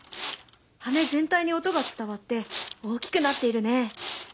羽全体に音が伝わって大きくなっているね。